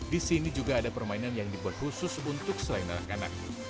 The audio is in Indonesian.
di sini juga ada permainan yang dibuat khusus untuk selain anak anak